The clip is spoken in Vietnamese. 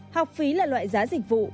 học phí là loại giá dịch vụ